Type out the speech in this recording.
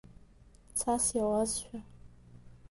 Цас иауазшәа…